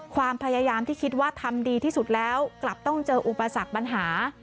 ความพยายามที่คิดว่าทำดีที่สุดแล้วกลับต้องเจออุปสรรคปัญหา